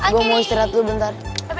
gue mau istirahat dulu ntar